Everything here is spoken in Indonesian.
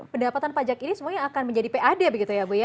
pendapatan pajak ini semuanya akan menjadi pad begitu ya bu ya